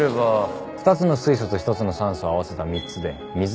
２つの水素と１つの酸素を合わせた３つで水ができて。